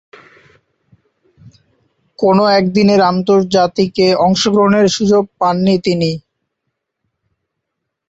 কোন একদিনের আন্তর্জাতিকে অংশগ্রহণের সুযোগ পাননি তিনি।